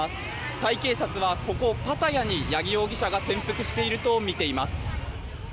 タイ警察はここパタヤに八木容疑者が潜伏しているとみています。